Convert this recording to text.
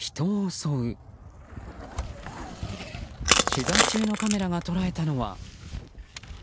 取材中のカメラが捉えたのは。